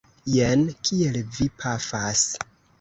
Jen kiel vi pafas!